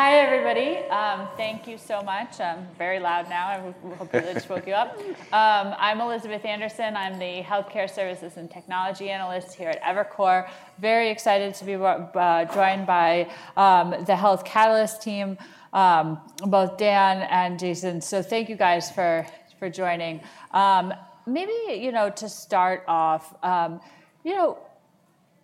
Hi, everybody. Thank you so much. I'm very loud now. I hope I spoke you up. I'm Elizabeth Anderson. I'm the Health Care Services and Technology Analyst here at Evercore. Very excited to be joined by the Health Catalyst team, both Dan and Jason. So thank you, guys, for joining. Maybe to start off,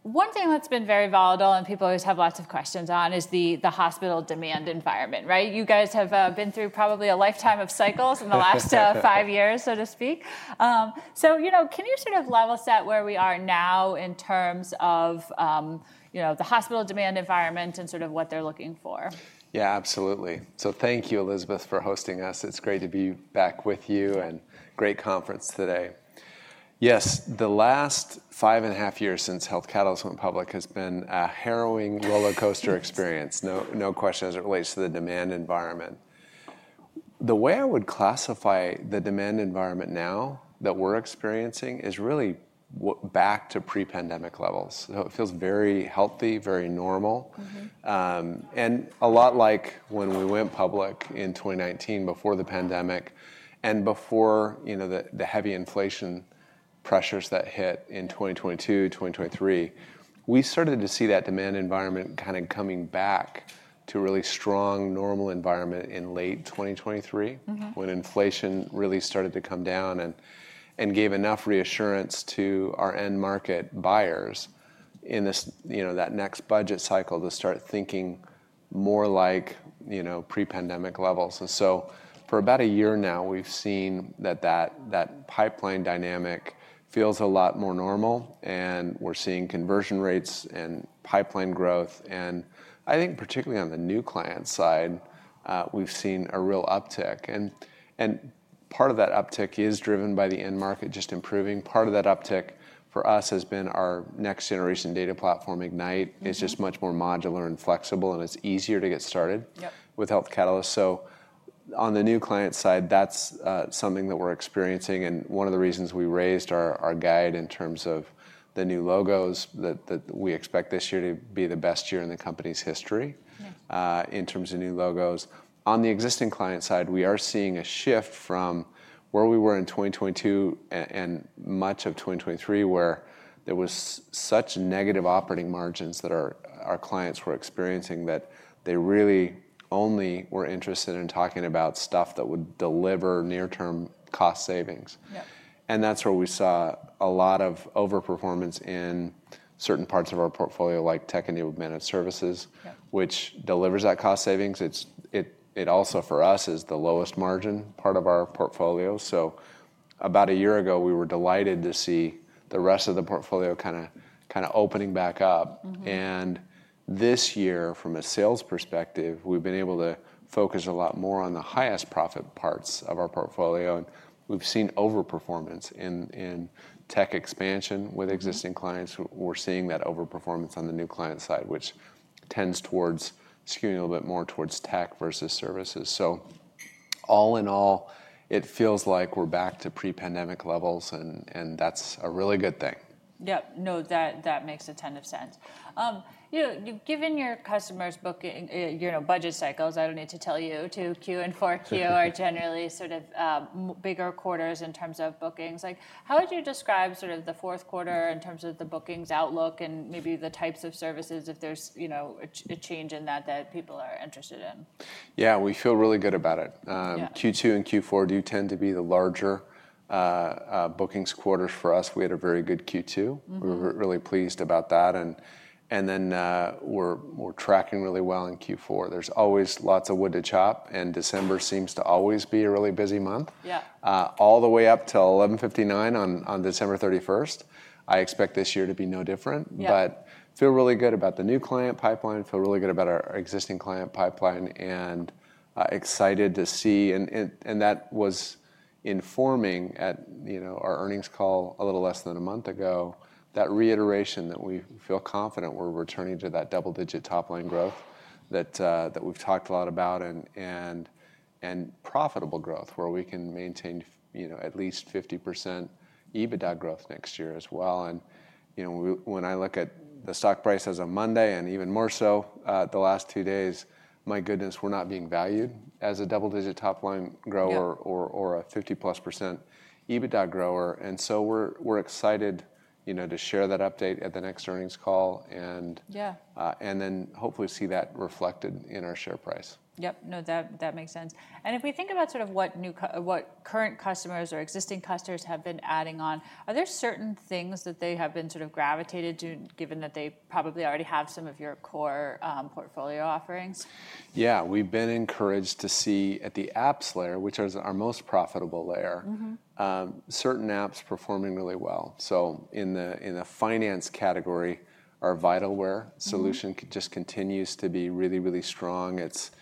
one thing that's been very volatile and people always have lots of questions on is the hospital demand environment. You guys have been through probably a lifetime of cycles in the last five years, so to speak. So can you sort of level set where we are now in terms of the hospital demand environment and sort of what they're looking for? Yeah, absolutely. So thank you, Elizabeth, for hosting us. It's great to be back with you and great conference today. Yes, the last five and a half years since Health Catalyst went public has been a harrowing roller coaster experience, no question, as it relates to the demand environment. The way I would classify the demand environment now that we're experiencing is really back to pre-pandemic levels. So it feels very healthy, very normal, and a lot like when we went public in 2019 before the pandemic and before the heavy inflation pressures that hit in 2022, 2023. We started to see that demand environment kind of coming back to a really strong, normal environment in late 2023 when inflation really started to come down and gave enough reassurance to our end market buyers in that next budget cycle to start thinking more like pre-pandemic levels. And so for about a year now, we've seen that that pipeline dynamic feels a lot more normal. And we're seeing conversion rates and pipeline growth. And I think particularly on the new client side, we've seen a real uptick. And part of that uptick is driven by the end market just improving. Part of that uptick for us has been our next generation data platform, Ignite. It's just much more modular and flexible. And it's easier to get started with Health Catalyst. So on the new client side, that's something that we're experiencing. And one of the reasons we raised our guidance in terms of the new logos that we expect this year to be the best year in the company's history in terms of new logos. On the existing client side, we are seeing a shift from where we were in 2022 and much of 2023 where there were such negative operating margins that our clients were experiencing that they really only were interested in talking about stuff that would deliver near-term cost savings, and that's where we saw a lot of overperformance in certain parts of our portfolio, like tech and human services, which delivers that cost savings. It also, for us, is the lowest margin part of our portfolio, so about a year ago, we were delighted to see the rest of the portfolio kind of opening back up, and this year, from a sales perspective, we've been able to focus a lot more on the highest profit parts of our portfolio, and we've seen overperformance in tech expansion with existing clients. We're seeing that overperformance on the new client side, which tends towards skewing a little bit more towards tech versus services, so all in all, it feels like we're back to pre-pandemic levels, and that's a really good thing. Yeah, now, that makes a ton of sense. Given your customers' booking budget cycles, I don't need to tell you, 2Q and 4Q are generally sort of bigger quarters in terms of bookings. How would you describe sort of the fourth quarter in terms of the bookings outlook and maybe the types of services if there's a change in that that people are interested in? Yeah, we feel really good about it. Q2 and Q4 do tend to be the larger bookings quarters for us. We had a very good Q2. We were really pleased about that. And then we're tracking really well in Q4. There's always lots of wood to chop. And December seems to always be a really busy month all the way up till 11:59 P.M. on December 31. I expect this year to be no different. But I feel really good about the new client pipeline. I feel really good about our existing client pipeline and excited to see. And that was informing at our earnings call a little less than a month ago, that reiteration that we feel confident we're returning to that double-digit top-line growth that we've talked a lot about and profitable growth where we can maintain at least 50% EBITDA growth next year as well. When I look at the stock price as of Monday and even more so the last two days, my goodness, we're not being valued as a double-digit top-line grower or a 50-plus% EBITDA grower. So we're excited to share that update at the next earnings call and then hopefully see that reflected in our share price. Yep, now, that makes sense. And if we think about sort of what current customers or existing customers have been adding on, are there certain things that they have been sort of gravitated to, given that they probably already have some of your core portfolio offerings? Yeah, we've been encouraged to see at the apps layer, which is our most profitable layer, certain apps performing really well. So in the finance category, our Vitalware solution just continues to be really, really strong. It's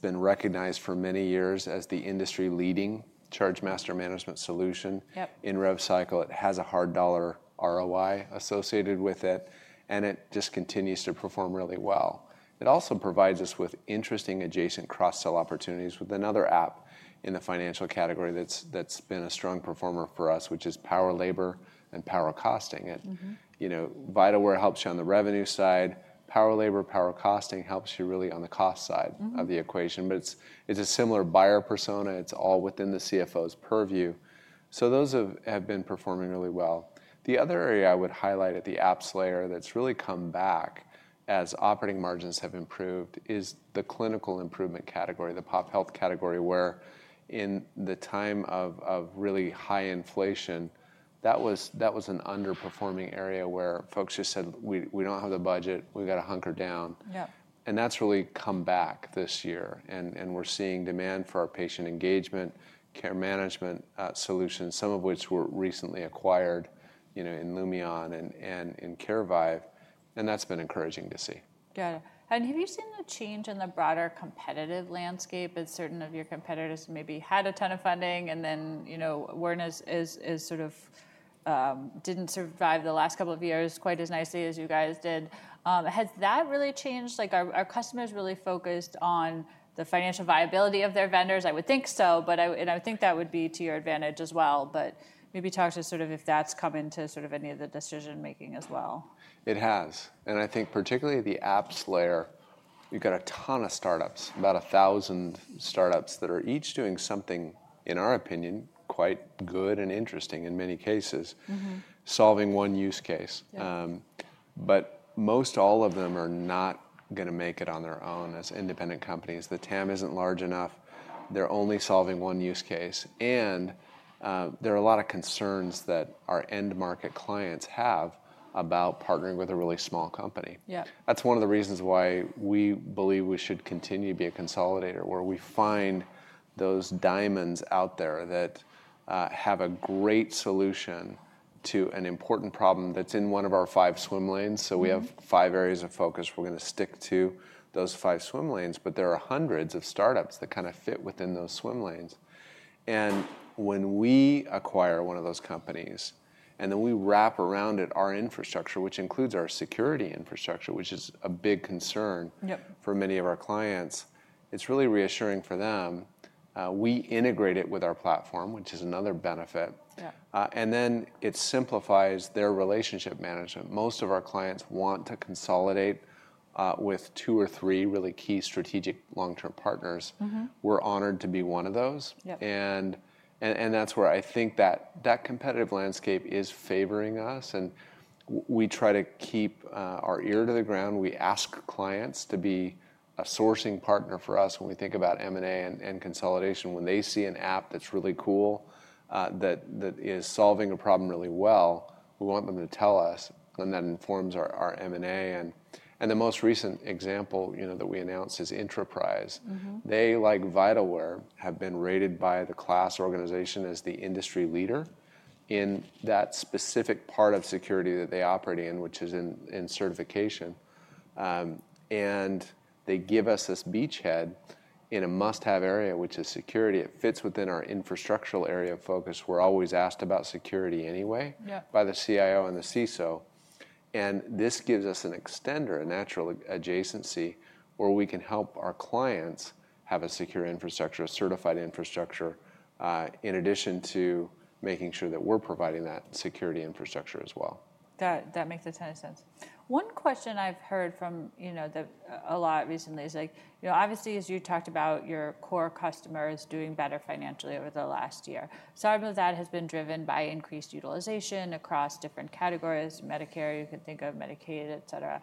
been recognized for many years as the industry-leading Chargemaster management solution. In RevCycle, it has a hard dollar ROI associated with it. And it just continues to perform really well. It also provides us with interesting adjacent cross-sell opportunities with another app in the financial category that's been a strong performer for us, which is PowerLabor and PowerCosting. Vitalware helps you on the revenue side. PowerLabor, PowerCosting helps you really on the cost side of the equation. But it's a similar buyer persona. It's all within the CFO's purview. So those have been performing really well. The other area I would highlight at the apps layer that's really come back as operating margins have improved is the clinical improvement category, the pop health category, where in the time of really high inflation, that was an underperforming area where folks just said, we don't have the budget. We've got to hunker down, and that's really come back this year, and we're seeing demand for our patient engagement care management solutions, some of which were recently acquired in Lumeon and in Carevive. And that's been encouraging to see. Got it. And have you seen a change in the broader competitive landscape? Certain of your competitors maybe had a ton of funding. And then Cerner didn't survive the last couple of years quite as nicely as you guys did. Has that really changed? Are customers really focused on the financial viability of their vendors? I would think so. And I think that would be to your advantage as well. But maybe talk to us sort of if that's come into sort of any of the decision-making as well. It has. And I think particularly the apps layer, you've got a ton of startups, about 1,000 startups that are each doing something, in our opinion, quite good and interesting in many cases, solving one use case. But most all of them are not going to make it on their own as independent companies. The TAM isn't large enough. They're only solving one use case. And there are a lot of concerns that our end market clients have about partnering with a really small company. That's one of the reasons why we believe we should continue to be a consolidator, where we find those diamonds out there that have a great solution to an important problem that's in one of our five swim lanes. So we have five areas of focus. We're going to stick to those five swim lanes. There are hundreds of startups that kind of fit within those swim lanes. When we acquire one of those companies and then we wrap around it our infrastructure, which includes our security infrastructure, which is a big concern for many of our clients, it's really reassuring for them. We integrate it with our platform, which is another benefit. It simplifies their relationship management. Most of our clients want to consolidate with two or three really key strategic long-term partners. We're honored to be one of those. That's where I think that that competitive landscape is favoring us. We try to keep our ear to the ground. We ask clients to be a sourcing partner for us when we think about M&A and consolidation. When they see an app that's really cool, that is solving a problem really well, we want them to tell us. That informs our M&A. The most recent example that we announced is Intraprise Health. They, like Vitalware, have been rated by KLAS as the industry leader in that specific part of security that they operate in, which is in certification. They give us this beachhead in a must-have area, which is security. It fits within our infrastructural area of focus. We're always asked about security anyway by the CIO and the CISO. This gives us an extender, a natural adjacency, where we can help our clients have a secure infrastructure, a certified infrastructure, in addition to making sure that we're providing that security infrastructure as well. That makes a ton of sense. One question I've heard from a lot recently is, obviously, as you talked about your core customers doing better financially over the last year. Some of that has been driven by increased utilization across different categories: Medicare, you can think of Medicaid, et cetera.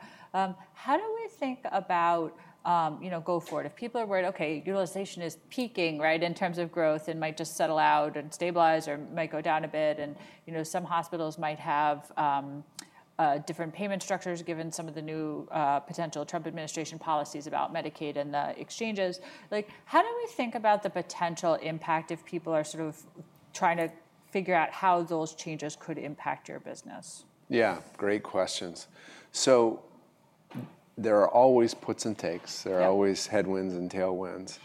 How do we think about go forward? If people are worried, OK, utilization is peaking in terms of growth and might just settle out and stabilize or might go down a bit. Some hospitals might have different payment structures given some of the new potential Trump administration policies about Medicaid and the exchanges. How do we think about the potential impact if people are sort of trying to figure out how those changes could impact your business? Yeah, great questions, so there are always puts and takes. There are always headwinds and tailwinds,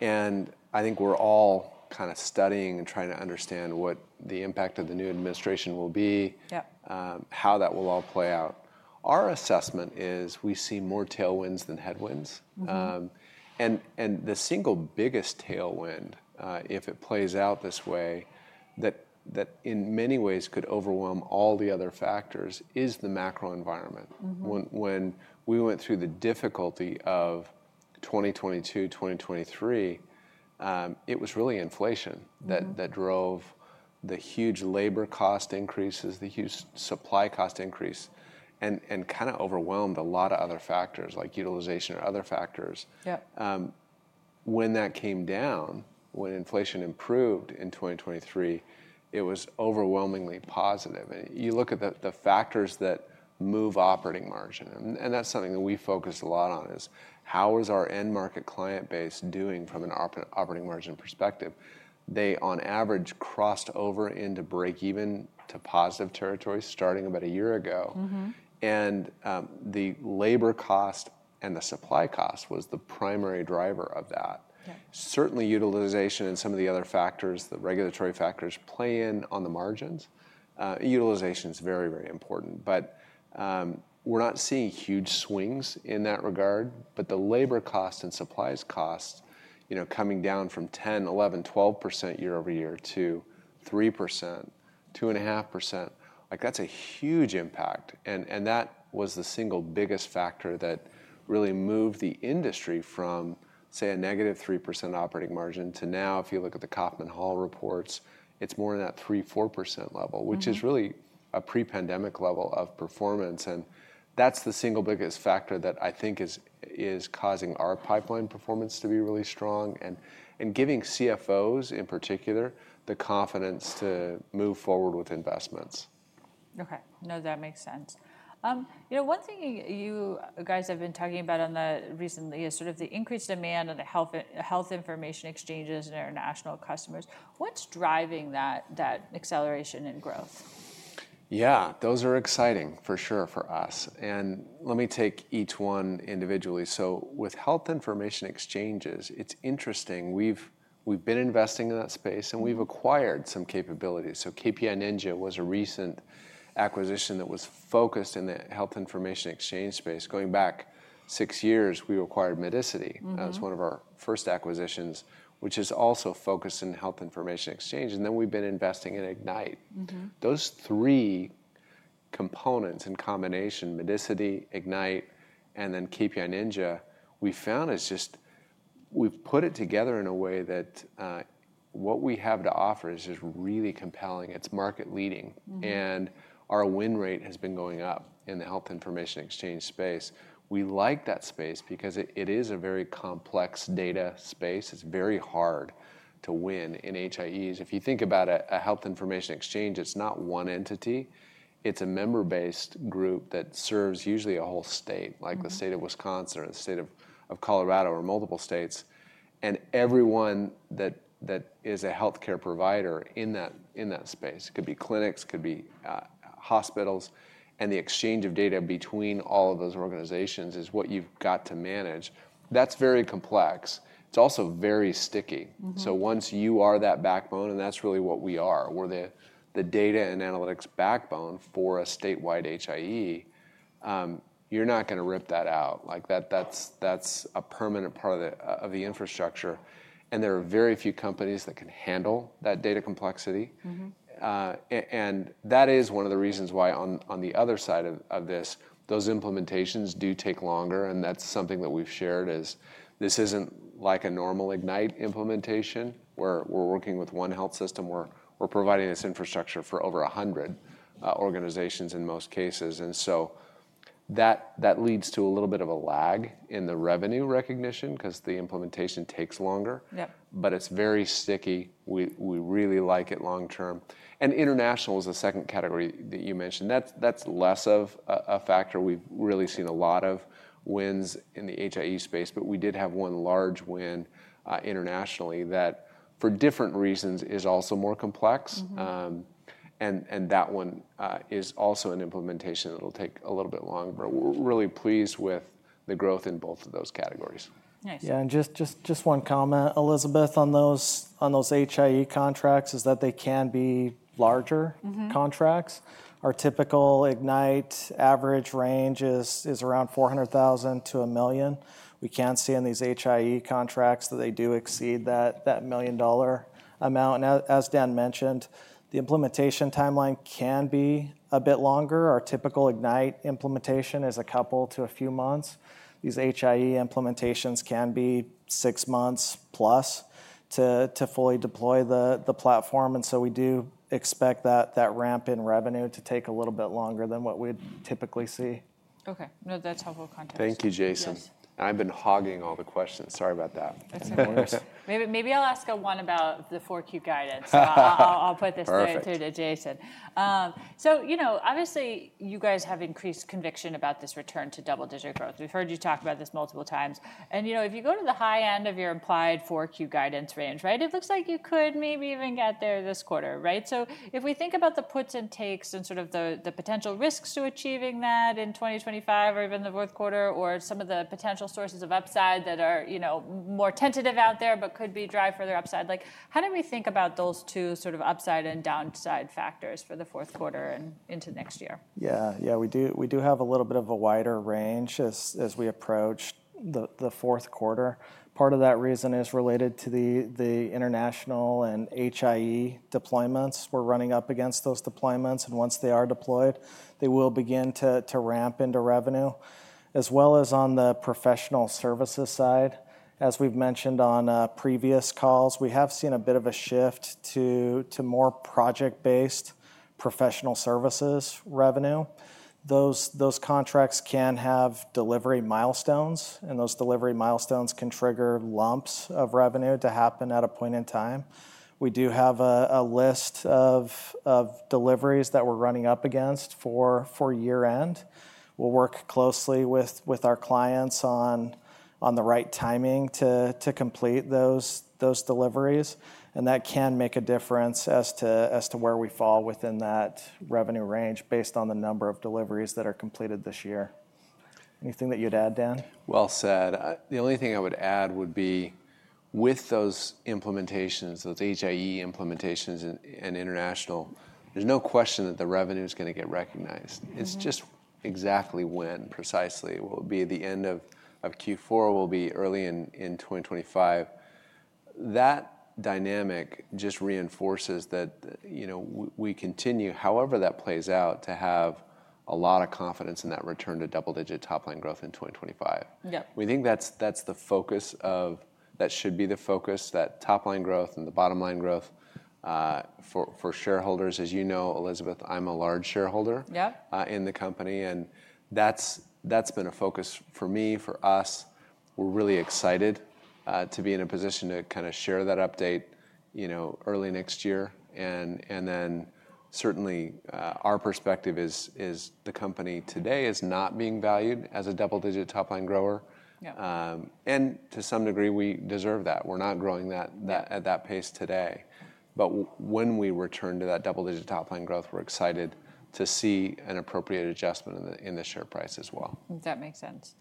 and I think we're all kind of studying and trying to understand what the impact of the new administration will be, how that will all play out. Our assessment is we see more tailwinds than headwinds, and the single biggest tailwind, if it plays out this way, that in many ways could overwhelm all the other factors, is the macro environment. When we went through the difficulty of 2022, 2023, it was really inflation that drove the huge labor cost increases, the huge supply cost increase, and kind of overwhelmed a lot of other factors, like utilization or other factors. When that came down, when inflation improved in 2023, it was overwhelmingly positive, and you look at the factors that move operating margin. And that's something that we focus a lot on, is how is our end market client base doing from an operating margin perspective? They, on average, crossed over into break-even to positive territory starting about a year ago. And the labor cost and the supply cost was the primary driver of that. Certainly, utilization and some of the other factors, the regulatory factors, play in on the margins. Utilization is very, very important. But we're not seeing huge swings in that regard. But the labor cost and supplies cost coming down from 10%, 11%, 12% year over year to 3%, 2.5%, that's a huge impact. And that was the single biggest factor that really moved the industry from, say, a negative 3% operating margin to now, if you look at the Kaufman Hall reports, it's more in that 3%, 4% level, which is really a pre-pandemic level of performance. That's the single biggest factor that I think is causing our pipeline performance to be really strong and giving CFOs, in particular, the confidence to move forward with investments. OK, now, that makes sense. One thing you guys have been talking about recently is sort of the increased demand on the health information exchanges and international customers. What's driving that acceleration in growth? Yeah, those are exciting, for sure, for us. And let me take each one individually. So with health information exchanges, it's interesting. We've been investing in that space. And we've acquired some capabilities. So KPI Ninja was a recent acquisition that was focused in the health information exchange space. Going back six years, we acquired Medicity. That was one of our first acquisitions, which is also focused in health information exchange. And then we've been investing in Ignite. Those three components in combination, Medicity, Ignite, and then KPI Ninja, we found is just we've put it together in a way that what we have to offer is just really compelling. It's market-leading. And our win rate has been going up in the health information exchange space. We like that space because it is a very complex data space. It's very hard to win in HIEs. If you think about a health information exchange, it's not one entity. It's a member-based group that serves usually a whole state, like the state of Wisconsin or the state of Colorado or multiple states, and everyone that is a health care provider in that space, it could be clinics, it could be hospitals, and the exchange of data between all of those organizations is what you've got to manage. That's very complex. It's also very sticky, so once you are that backbone, and that's really what we are, we're the data and analytics backbone for a statewide HIE, you're not going to rip that out. That's a permanent part of the infrastructure, and there are very few companies that can handle that data complexity, and that is one of the reasons why, on the other side of this, those implementations do take longer. And that's something that we've shared, is this isn't like a normal Ignite implementation, where we're working with one health system. We're providing this infrastructure for over 100 organizations in most cases. And so that leads to a little bit of a lag in the revenue recognition because the implementation takes longer. But it's very sticky. We really like it long term. And international is the second category that you mentioned. That's less of a factor. We've really seen a lot of wins in the HIE space. But we did have one large win internationally that, for different reasons, is also more complex. And that one is also an implementation that will take a little bit longer. But we're really pleased with the growth in both of those categories. Nice. Yeah, and just one comment, Elizabeth, on those HIE contracts is that they can be larger contracts. Our typical Ignite average range is around $400,000-$1 million. We can see in these HIE contracts that they do exceed that million-dollar amount. And as Dan mentioned, the implementation timeline can be a bit longer. Our typical Ignite implementation is a couple to a few months. These HIE implementations can be six months plus to fully deploy the platform. And so we do expect that ramp in revenue to take a little bit longer than what we'd typically see. OK, now, that's helpful context. Thank you, Jason. I've been hogging all the questions. Sorry about that. That's no worries. Maybe I'll ask one about the 4Q guidance. I'll put this through to Jason. So obviously, you guys have increased conviction about this return to double-digit growth. We've heard you talk about this multiple times. And if you go to the high end of your implied 4Q guidance range, it looks like you could maybe even get there this quarter. So if we think about the puts and takes and sort of the potential risks to achieving that in 2025 or even the fourth quarter, or some of the potential sources of upside that are more tentative out there but could drive further upside, how do we think about those two sort of upside and downside factors for the fourth quarter and into next year? Yeah, yeah, we do have a little bit of a wider range as we approach the fourth quarter. Part of that reason is related to the international and HIE deployments. We're running up against those deployments, and once they are deployed, they will begin to ramp into revenue. As well as on the professional services side, as we've mentioned on previous calls, we have seen a bit of a shift to more project-based professional services revenue. Those contracts can have delivery milestones, and those delivery milestones can trigger lumps of revenue to happen at a point in time. We do have a list of deliveries that we're running up against for year-end. We'll work closely with our clients on the right timing to complete those deliveries. And that can make a difference as to where we fall within that revenue range based on the number of deliveries that are completed this year. Anything that you'd add, Dan? Well said. The only thing I would add would be with those implementations, those HIE implementations and international, there's no question that the revenue is going to get recognized. It's just exactly when precisely. What will be the end of Q4 will be early in 2025. That dynamic just reinforces that we continue, however that plays out, to have a lot of confidence in that return to double-digit top-line growth in 2025. We think that's the focus of that should be the focus, that top-line growth and the bottom-line growth for shareholders. As you know, Elizabeth, I'm a large shareholder in the company. And that's been a focus for me, for us. We're really excited to be in a position to kind of share that update early next year. And then certainly, our perspective is the company today is not being valued as a double-digit top-line grower. To some degree, we deserve that. We're not growing at that pace today. When we return to that double-digit top-line growth, we're excited to see an appropriate adjustment in the share price as well. That makes sense.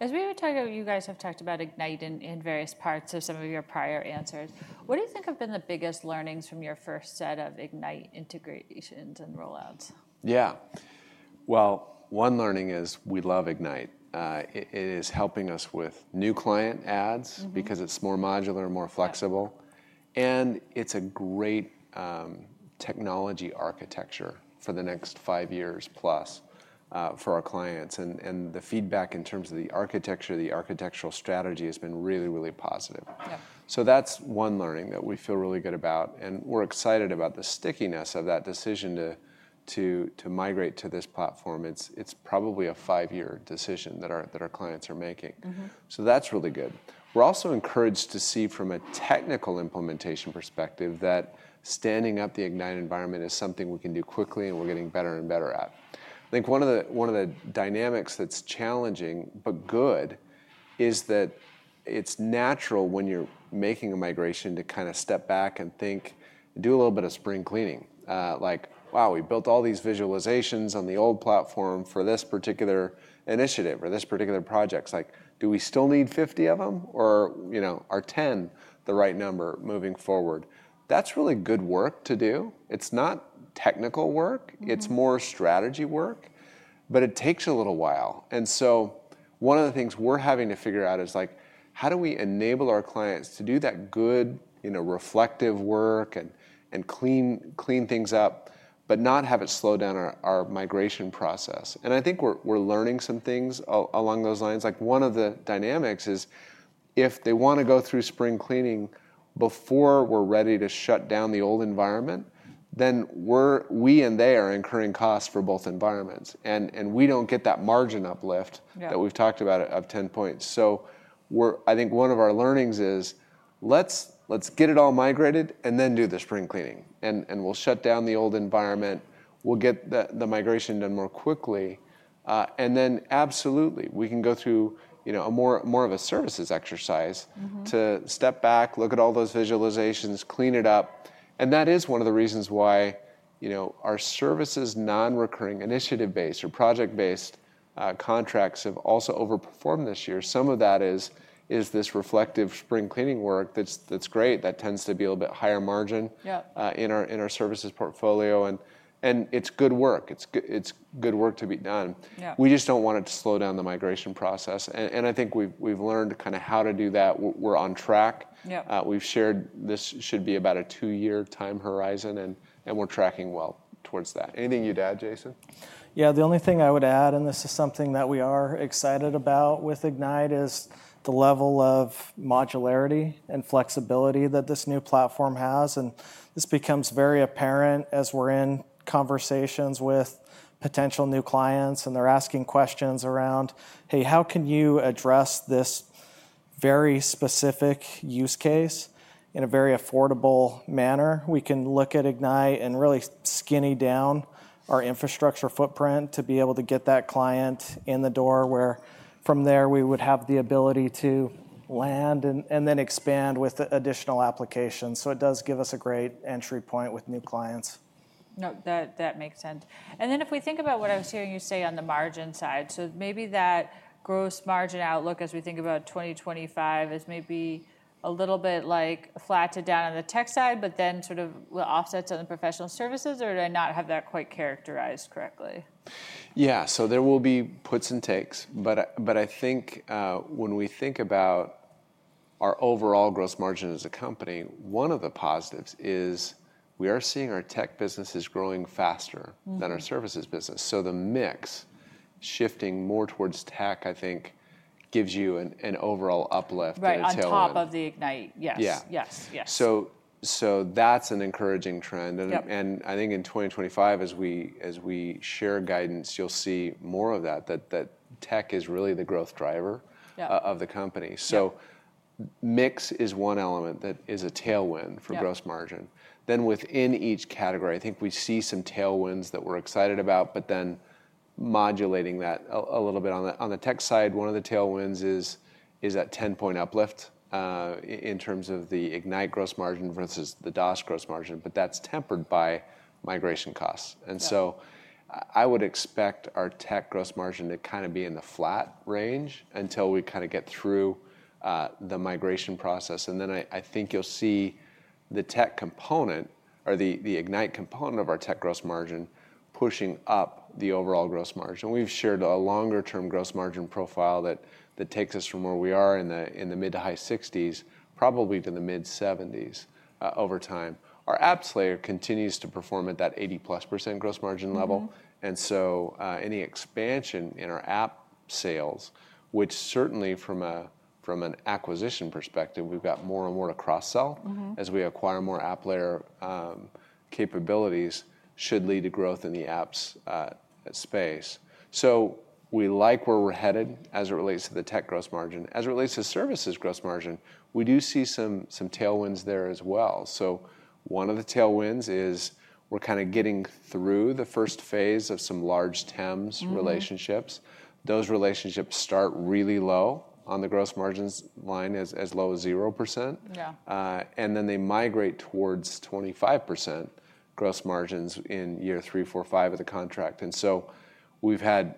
As we were talking, you guys have talked about Ignite in various parts of some of your prior answers. What do you think have been the biggest learnings from your first set of Ignite integrations and rollouts? Yeah, well, one learning is we love Ignite. It is helping us with new client ads because it's more modular, more flexible. And it's a great technology architecture for the next five years plus for our clients. And the feedback in terms of the architecture, the architectural strategy has been really, really positive. So that's one learning that we feel really good about. And we're excited about the stickiness of that decision to migrate to this platform. It's probably a five-year decision that our clients are making. So that's really good. We're also encouraged to see from a technical implementation perspective that standing up the Ignite environment is something we can do quickly and we're getting better and better at. I think one of the dynamics that's challenging but good is that it's natural when you're making a migration to kind of step back and think, do a little bit of spring cleaning. Like, wow, we built all these visualizations on the old platform for this particular initiative or this particular project. It's like, do we still need 50 of them? Or are 10 the right number moving forward? That's really good work to do. It's not technical work. It's more strategy work. But it takes a little while. And so one of the things we're having to figure out is how do we enable our clients to do that good reflective work and clean things up but not have it slow down our migration process? And I think we're learning some things along those lines. One of the dynamics is if they want to go through spring cleaning before we're ready to shut down the old environment, then we and they are incurring costs for both environments, and we don't get that margin uplift that we've talked about of 10 points, so I think one of our learnings is let's get it all migrated and then do the spring cleaning, and we'll shut down the old environment. We'll get the migration done more quickly, and then absolutely, we can go through more of a services exercise to step back, look at all those visualizations, clean it up, and that is one of the reasons why our services non-recurring initiative-based or project-based contracts have also overperformed this year. Some of that is this reflective spring cleaning work that's great. That tends to be a little bit higher margin in our services portfolio, and it's good work. It's good work to be done. We just don't want it to slow down the migration process, and I think we've learned kind of how to do that. We're on track. We've shared this should be about a two-year time horizon, and we're tracking well towards that. Anything you'd add, Jason? Yeah, the only thing I would add, and this is something that we are excited about with Ignite, is the level of modularity and flexibility that this new platform has, and this becomes very apparent as we're in conversations with potential new clients, and they're asking questions around, hey, how can you address this very specific use case in a very affordable manner? We can look at Ignite and really skinny down our infrastructure footprint to be able to get that client in the door where from there we would have the ability to land and then expand with additional applications, so it does give us a great entry point with new clients. Now, that makes sense. And then if we think about what I was hearing you say on the margin side, so maybe that gross margin outlook as we think about 2025 is maybe a little bit like flattened down on the tech side, but then sort of offsets on the professional services. Or do I not have that quite characterized correctly? Yeah, so there will be puts and takes. But I think when we think about our overall gross margin as a company, one of the positives is we are seeing our tech businesses growing faster than our services business. So the mix shifting more towards tech, I think, gives you an overall uplift. But on top of the Ignite, yes. Yeah. So that's an encouraging trend. And I think in 2025, as we share guidance, you'll see more of that, that tech is really the growth driver of the company. So mix is one element that is a tailwind for gross margin. Then within each category, I think we see some tailwinds that we're excited about, but then modulating that a little bit. On the tech side, one of the tailwinds is that 10-point uplift in terms of the Ignite gross margin versus the DOS gross margin. But that's tempered by migration costs. And so I would expect our tech gross margin to kind of be in the flat range until we kind of get through the migration process. And then I think you'll see the tech component or the Ignite component of our tech gross margin pushing up the overall gross margin. We've shared a longer-term gross margin profile that takes us from where we are in the mid- to high 60s%, probably to the mid 70s% over time. Our apps layer continues to perform at that 80-plus% gross margin level. And so any expansion in our app sales, which certainly from an acquisition perspective, we've got more and more to cross-sell as we acquire more app layer capabilities, should lead to growth in the apps space. So we like where we're headed as it relates to the tech gross margin. As it relates to services gross margin, we do see some tailwinds there as well. So one of the tailwinds is we're kind of getting through the first phase of some large TEMS relationships. Those relationships start really low on the gross margins line, as low as 0%. And then they migrate towards 25% gross margins in year three, four, five of the contract. And so we had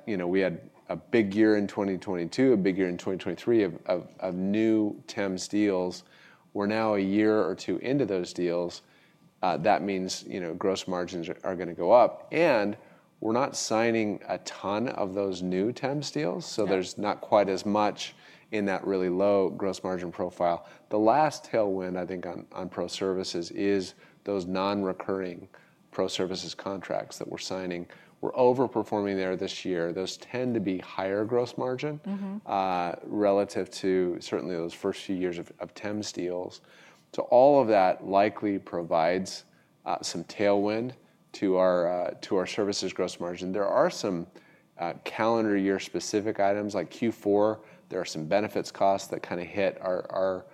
a big year in 2022, a big year in 2023 of new TEMS deals. We're now a year or two into those deals. That means gross margins are going to go up. And we're not signing a ton of those new TEMS deals. So there's not quite as much in that really low gross margin profile. The last tailwind, I think, on ProServices is those non-recurring ProServices contracts that we're signing. We're overperforming there this year. Those tend to be higher gross margin relative to certainly those first few years of TEMS deals. So all of that likely provides some tailwind to our services gross margin. There are some calendar year-specific items. Like Q4, there are some benefits costs that kind of hit our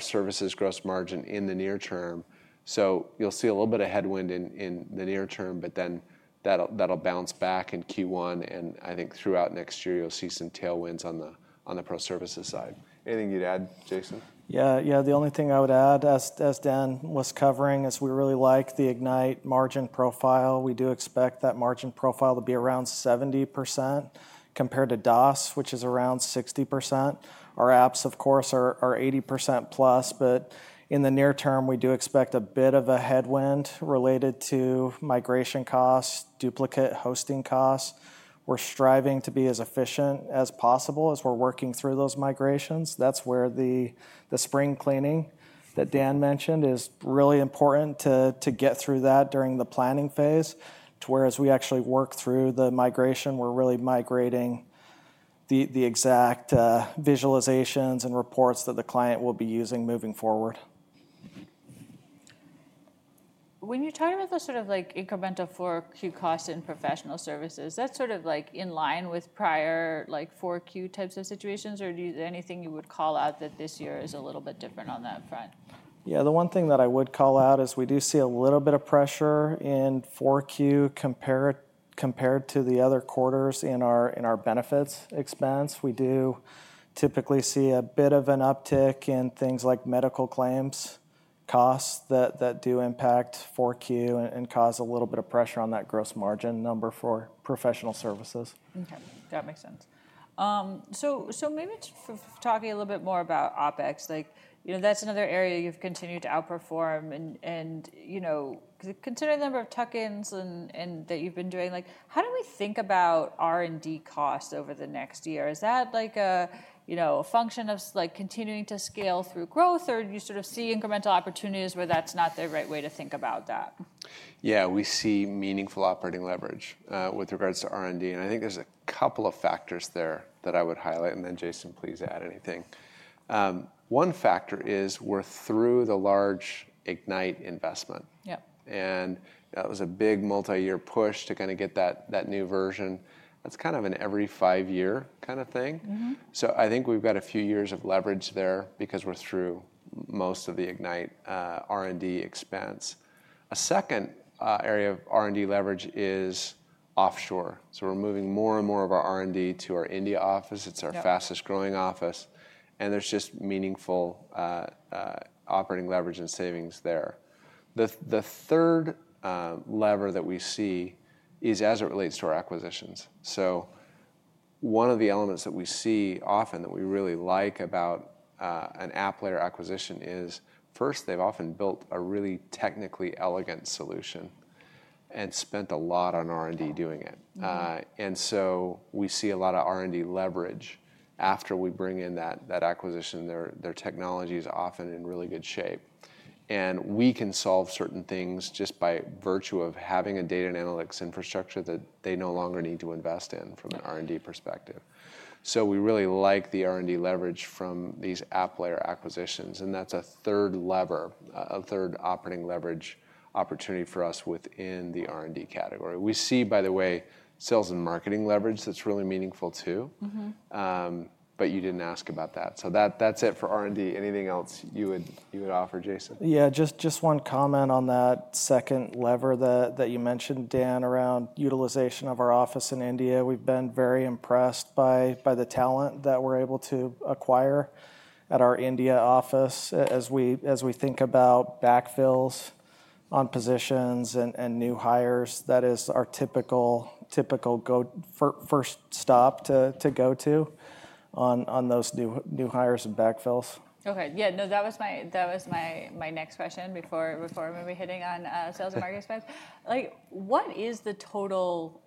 services gross margin in the near term. So you'll see a little bit of headwind in the near term. But then that'll bounce back in Q1. And I think throughout next year, you'll see some tailwinds on the ProServices side. Anything you'd add, Jason? Yeah, yeah, the only thing I would add as Dan was covering is we really like the Ignite margin profile. We do expect that margin profile to be around 70% compared to DOS, which is around 60%. Our apps, of course, are 80% plus. But in the near term, we do expect a bit of a headwind related to migration costs, duplicate hosting costs. We're striving to be as efficient as possible as we're working through those migrations. That's where the spring cleaning that Dan mentioned is really important to get through that during the planning phase. Whereas we actually work through the migration, we're really migrating the exact visualizations and reports that the client will be using moving forward. When you're talking about the sort of incremental 4Q costs in professional services, that's sort of like in line with prior 4Q types of situations? Or is there anything you would call out that this year is a little bit different on that front? Yeah, the one thing that I would call out is we do see a little bit of pressure in 4Q compared to the other quarters in our benefits expense. We do typically see a bit of an uptick in things like medical claims costs that do impact 4Q and cause a little bit of pressure on that gross margin number for professional services. That makes sense. So maybe talking a little bit more about OpEx. That's another area you've continued to outperform. And considering the number of tuck-ins that you've been doing, how do we think about R&D costs over the next year? Is that a function of continuing to scale through growth? Or do you sort of see incremental opportunities where that's not the right way to think about that? Yeah, we see meaningful operating leverage with regards to R&D. And I think there's a couple of factors there that I would highlight. And then Jason, please add anything. One factor is we're through the large Ignite investment. And that was a big multi-year push to kind of get that new version. That's kind of an every five-year kind of thing. So I think we've got a few years of leverage there because we're through most of the Ignite R&D expense. A second area of R&D leverage is offshore. So we're moving more and more of our R&D to our India office. It's our fastest growing office. And there's just meaningful operating leverage and savings there. The third lever that we see is as it relates to our acquisitions. So, one of the elements that we see often that we really like about an app layer acquisition is first, they've often built a really technically elegant solution and spent a lot on R&D doing it. And so we see a lot of R&D leverage after we bring in that acquisition. Their technology is often in really good shape. And we can solve certain things just by virtue of having a data and analytics infrastructure that they no longer need to invest in from an R&D perspective. So we really like the R&D leverage from these app layer acquisitions. And that's a third lever, a third operating leverage opportunity for us within the R&D category. We see, by the way, sales and marketing leverage. That's really meaningful too. But you didn't ask about that. So that's it for R&D. Anything else you would offer, Jason? Yeah, just one comment on that second lever that you mentioned, Dan, around utilization of our office in India. We've been very impressed by the talent that we're able to acquire at our India office. As we think about backfills on positions and new hires, that is our typical first stop to go to on those new hires and backfills. OK, yeah, no, that was my next question before we're hitting on sales and marketing expense. What is the total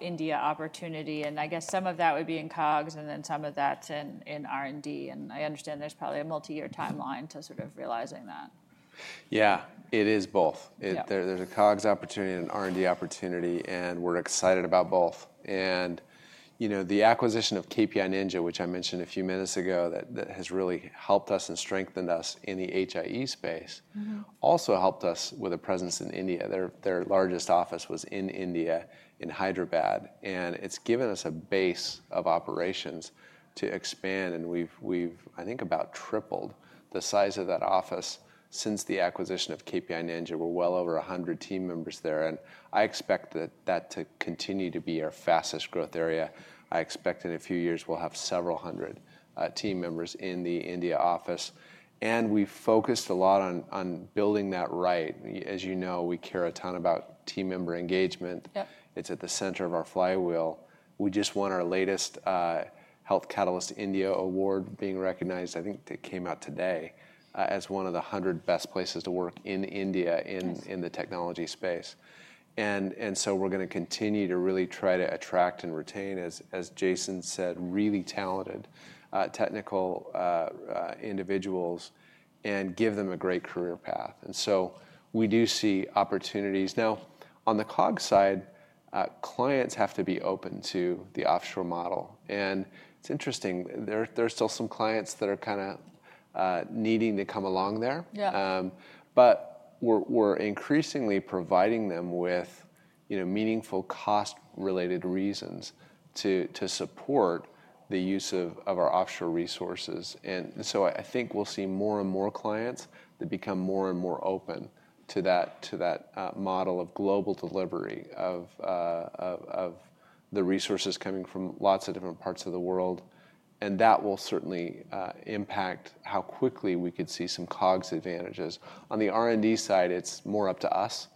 India opportunity? And I guess some of that would be in COGS and then some of that's in R&D. And I understand there's probably a multi-year timeline to sort of realizing that. Yeah, it is both. There's a COGS opportunity and an R&D opportunity, and we're excited about both. The acquisition of KPI Ninja, which I mentioned a few minutes ago, has really helped us and strengthened us in the HIE space, also helped us with a presence in India. Their largest office was in India in Hyderabad, and it's given us a base of operations to expand, and we've, I think, about tripled the size of that office since the acquisition of KPI Ninja. We're well over 100 team members there, and I expect that to continue to be our fastest growth area. I expect in a few years we'll have several hundred team members in the India office, and we focused a lot on building that right. As you know, we care a ton about team member engagement. It's at the center of our flywheel. We just won our latest Health Catalyst India Award, being recognized. I think it came out today as one of the 100 best places to work in India in the technology space, and so we're going to continue to really try to attract and retain, as Jason said, really talented technical individuals and give them a great career path, and so we do see opportunities. Now, on the COGS side, clients have to be open to the offshore model, and it's interesting. There are still some clients that are kind of needing to come along there, but we're increasingly providing them with meaningful cost-related reasons to support the use of our offshore resources, and so I think we'll see more and more clients that become more and more open to that model of global delivery of the resources coming from lots of different parts of the world. And that will certainly impact how quickly we could see some COGS advantages. On the R&D side, it's more up to us.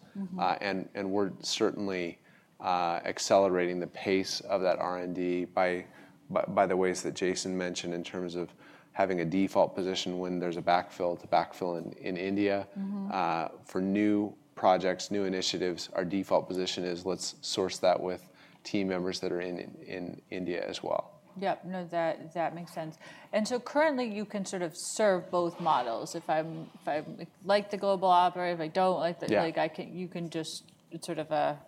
And we're certainly accelerating the pace of that R&D by the ways that Jason mentioned in terms of having a default position when there's a backfill to backfill in India. For new projects, new initiatives, our default position is let's source that with team members that are in India as well. Yep, now, that makes sense. And so currently, you can sort of serve both models. If I like the global operator, if I don't like the, you can just sort of a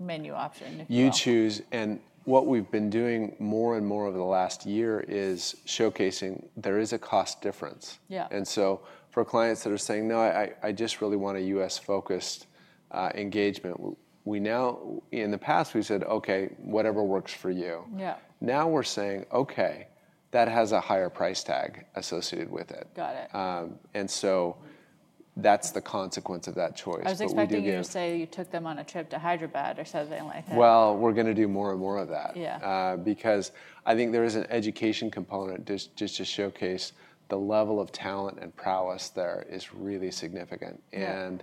menu option. You choose, and what we've been doing more and more over the last year is showcasing there is a cost difference, and so for clients that are saying, no, I just really want a U.S.-focused engagement, in the past, we said, OK, whatever works for you. Now we're saying, OK, that has a higher price tag associated with it, and so that's the consequence of that choice. I was expecting you to say you took them on a trip to Hyderabad or something like that. Well, we're going to do more and more of that. Because I think there is an education component just to showcase the level of talent and prowess there is, really significant. And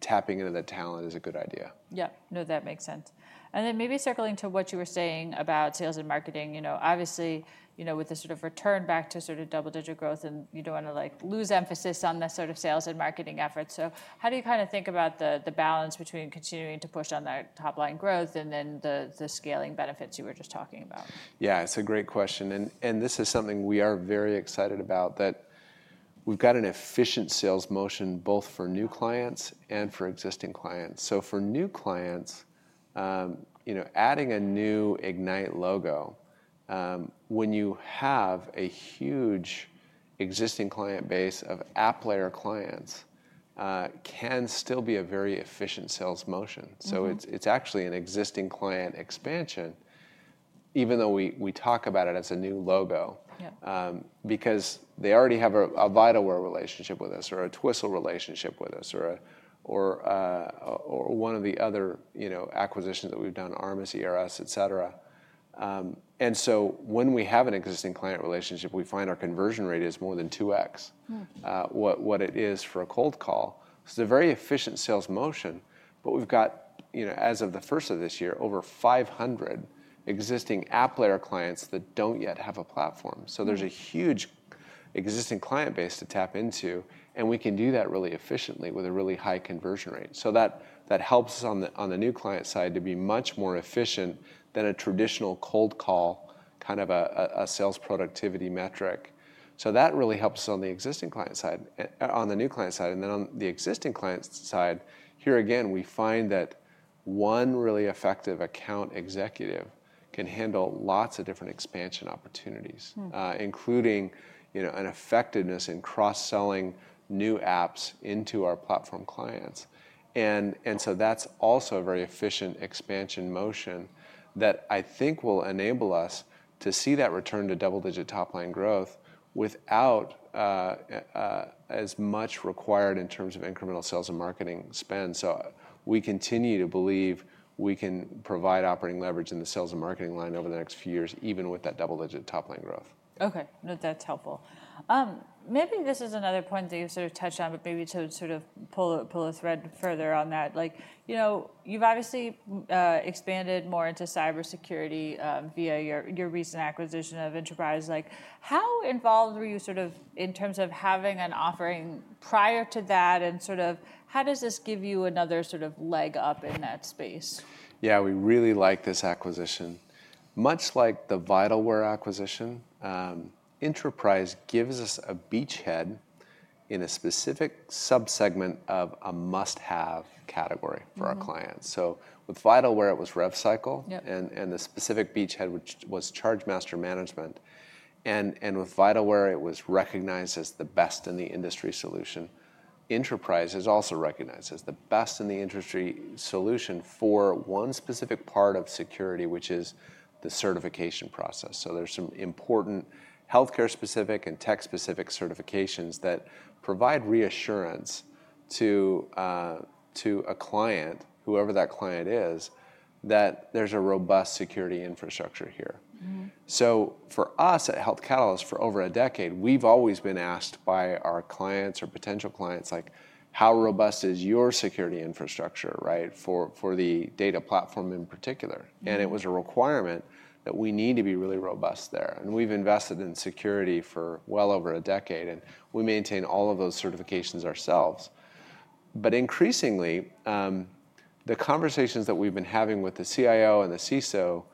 tapping into that talent is a good idea. Yep, now, that makes sense. And then maybe circling to what you were saying about sales and marketing, obviously, with the sort of return back to sort of double-digit growth, and you don't want to lose emphasis on that sort of sales and marketing efforts. So how do you kind of think about the balance between continuing to push on that top-line growth and then the scaling benefits you were just talking about? Yeah, it's a great question. And this is something we are very excited about, that we've got an efficient sales motion both for new clients and for existing clients. So for new clients, adding a new Ignite logo when you have a huge existing client base of app layer clients can still be a very efficient sales motion. So it's actually an existing client expansion, even though we talk about it as a new logo, because they already have a VitalWare relationship with us or a Twistle relationship with us or one of the other acquisitions that we've done, ARMUS, ERS, et cetera. And so when we have an existing client relationship, we find our conversion rate is more than 2X what it is for a cold call. So it's a very efficient sales motion. But we've got, as of the first of this year, over 500 existing app layer clients that don't yet have a platform. So there's a huge existing client base to tap into. And we can do that really efficiently with a really high conversion rate. So that helps on the new client side to be much more efficient than a traditional cold call, kind of a sales productivity metric. So that really helps us on the existing client side, on the new client side. And then on the existing client side, here again, we find that one really effective account executive can handle lots of different expansion opportunities, including an effectiveness in cross-selling new apps into our platform clients. And so that's also a very efficient expansion motion that I think will enable us to see that return to double-digit top-line growth without as much required in terms of incremental sales and marketing spend. So we continue to believe we can provide operating leverage in the sales and marketing line over the next few years, even with that double-digit top-line growth. OK, no, that's helpful. Maybe this is another point that you've sort of touched on, but maybe to sort of pull a thread further on that. You've obviously expanded more into cybersecurity via your recent acquisition of Intraprise. How involved were you sort of in terms of having an offering prior to that? And sort of how does this give you another sort of leg up in that space? Yeah, we really like this acquisition. Much like the Vitalware acquisition, Intraprise gives us a beachhead in a specific subsegment of a must-have category for our clients, so with Vitalware, it was RevCycle, and the specific beachhead was Chargemaster Management, and with Vitalware, it was recognized as the best in the industry solution. Intraprise is also recognized as the best in the industry solution for one specific part of security, which is the certification process, so there's some important health care specific and tech specific certifications that provide reassurance to a client, whoever that client is, that there's a robust security infrastructure here, so for us at Health Catalyst, for over a decade, we've always been asked by our clients or potential clients, like, how robust is your security infrastructure for the data platform in particular, and it was a requirement that we need to be really robust there. We've invested in security for well over a decade. We maintain all of those certifications ourselves. Increasingly, the conversations that we've been having with the CIO and the CISO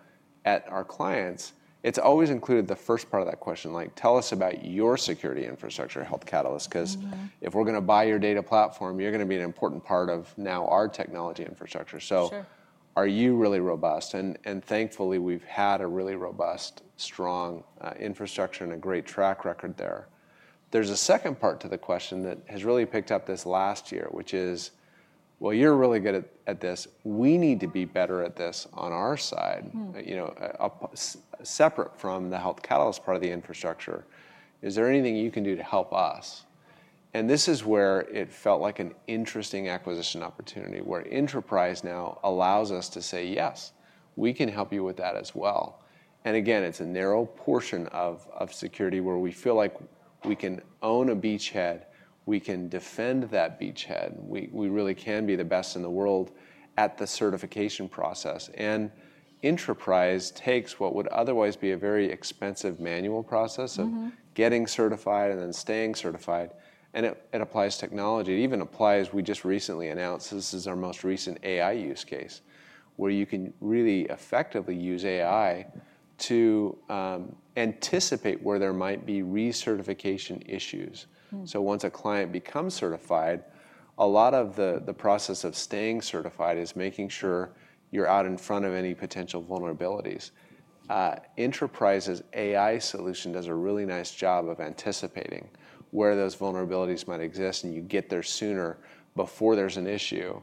at our clients, it's always included the first part of that question, like, tell us about your security infrastructure, Health Catalyst, because if we're going to buy your data platform, you're going to be an important part of now our technology infrastructure. So are you really robust? And thankfully, we've had a really robust, strong infrastructure and a great track record there. There's a second part to the question that has really picked up this last year, which is, well, you're really good at this. We need to be better at this on our side, separate from the Health Catalyst part of the infrastructure. Is there anything you can do to help us? And this is where it felt like an interesting acquisition opportunity, where Intraprise now allows us to say, yes, we can help you with that as well. And again, it's a narrow portion of security where we feel like we can own a beachhead. We can defend that beachhead. We really can be the best in the world at the certification process. And Intraprise takes what would otherwise be a very expensive manual process of getting certified and then staying certified. And it applies technology. It even applies, we just recently announced, this is our most recent AI use case, where you can really effectively use AI to anticipate where there might be recertification issues. So once a client becomes certified, a lot of the process of staying certified is making sure you're out in front of any potential vulnerabilities. Intraprise's AI solution does a really nice job of anticipating where those vulnerabilities might exist, and you get there sooner before there's an issue.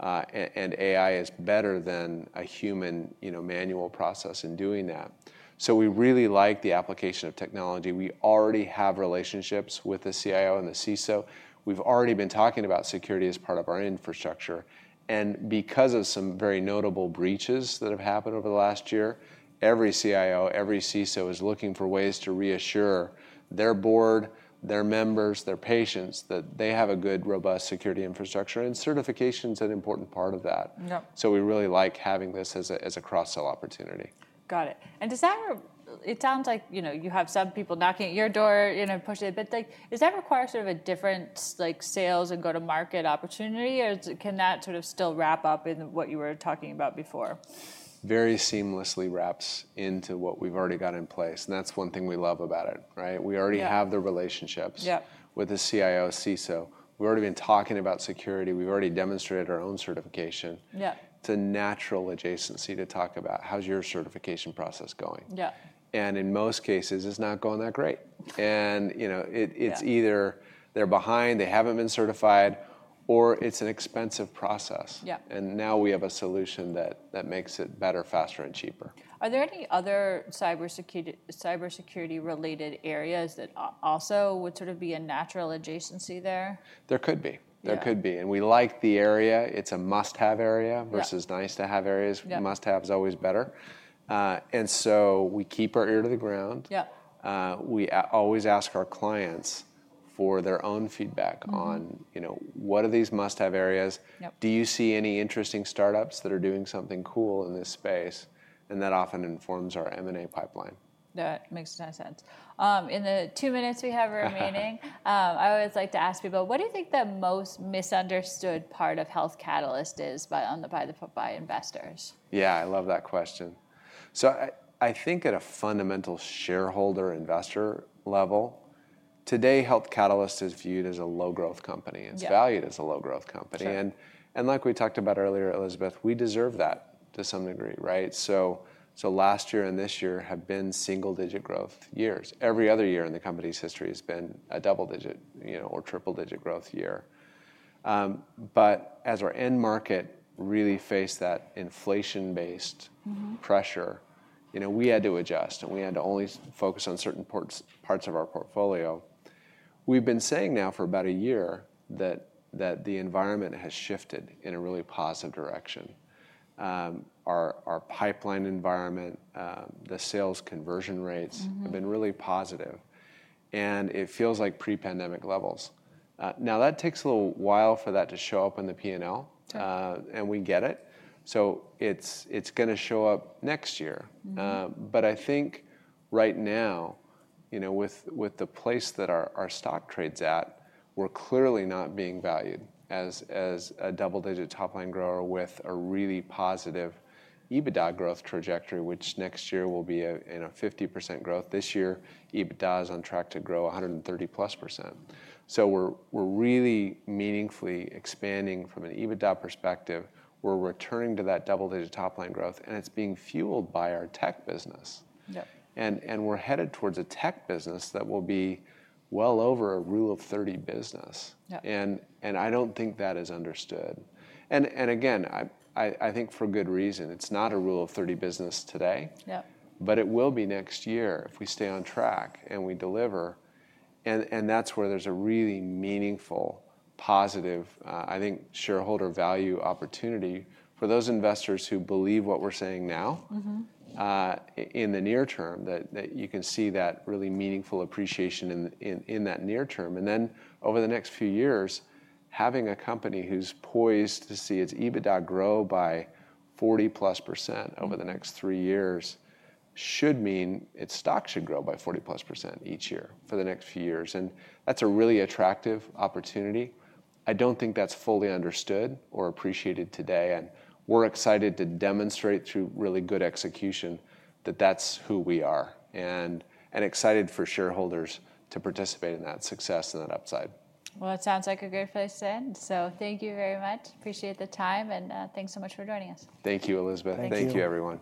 AI is better than a human manual process in doing that. We really like the application of technology. We already have relationships with the CIO and the CISO. We've already been talking about security as part of our infrastructure. Because of some very notable breaches that have happened over the last year, every CIO, every CISO is looking for ways to reassure their board, their members, their patients that they have a good, robust security infrastructure. Certification is an important part of that. We really like having this as a cross-sell opportunity. Got it. And does that, it sounds like you have some people knocking at your door, pushing it. But does that require sort of a different sales and go-to-market opportunity? Or can that sort of still wrap up in what you were talking about before? Very seamlessly wraps into what we've already got in place. And that's one thing we love about it. We already have the relationships with the CIO, CISO. We've already been talking about security. We've already demonstrated our own certification. It's a natural adjacency to talk about. How's your certification process going? And in most cases, it's not going that great. And it's either they're behind, they haven't been certified, or it's an expensive process. And now we have a solution that makes it better, faster, and cheaper. Are there any other cybersecurity-related areas that also would sort of be a natural adjacency there? There could be. There could be. And we like the area. It's a must-have area versus nice-to-have areas. Must-have is always better. And so we keep our ear to the ground. We always ask our clients for their own feedback on what are these must-have areas. Do you see any interesting startups that are doing something cool in this space? And that often informs our M&A pipeline. That makes a lot of sense. In the two minutes we have remaining, I always like to ask people, what do you think the most misunderstood part of Health Catalyst is by investors? Yeah, I love that question. So I think at a fundamental shareholder investor level, today, Health Catalyst is viewed as a low-growth company. It's valued as a low-growth company. And like we talked about earlier, Elizabeth, we deserve that to some degree. So last year and this year have been single-digit growth years. Every other year in the company's history has been a double-digit or triple-digit growth year. But as our end market really faced that inflation-based pressure, we had to adjust. And we had to only focus on certain parts of our portfolio. We've been saying now for about a year that the environment has shifted in a really positive direction. Our pipeline environment, the sales conversion rates have been really positive. And it feels like pre-pandemic levels. Now, that takes a little while for that to show up in the P&L. And we get it. So it's going to show up next year. But I think right now, with the place that our stock trades at, we're clearly not being valued as a double-digit top-line grower with a really positive EBITDA growth trajectory, which next year will be in a 50% growth. This year, EBITDA is on track to grow 130% plus. So we're really meaningfully expanding from an EBITDA perspective. We're returning to that double-digit top-line growth. And it's being fueled by our tech business. And we're headed towards a tech business that will be well over a Rule of 30 business. And I don't think that is understood. And again, I think for good reason. It's not a Rule of 30 business today. But it will be next year if we stay on track and we deliver. And that's where there's a really meaningful, positive, I think, shareholder value opportunity for those investors who believe what we're saying now in the near term, that you can see that really meaningful appreciation in that near term. And then over the next few years, having a company who's poised to see its EBITDA grow by 40% plus, over the next three years, should mean its stock should grow by 40% plus each year for the next few years. And that's a really attractive opportunity. I don't think that's fully understood or appreciated today. And we're excited to demonstrate through really good execution that that's who we are. And excited for shareholders to participate in that success and that upside. It sounds like a good place to end. Thank you very much. Appreciate the time. Thanks so much for joining us. Thank you, Elizabeth. Thank you, everyone.